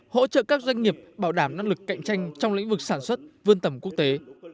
hỗ trợ các doanh nghiệp bảo đảm năng lực cạnh tranh trong lĩnh vực sản xuất vươn tầm quốc tế